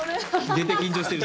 絶対緊張してる。